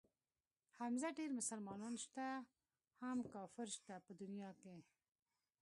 حمزه ډېر مسلمانان شته هم کافر شته په دنيا کښې.